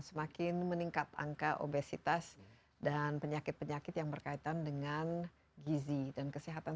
semakin meningkat angka obesitas dan penyakit penyakit yang berkaitan dengan gizi dan kesehatan